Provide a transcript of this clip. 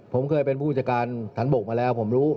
ผมเคยเป็นผู้จัดการฐานบกมาแล้วผมรู้